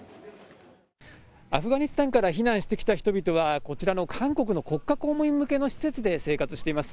アフガニスタンから避難してきた人々はこちらの韓国の国家公務員向けの施設で生活しています。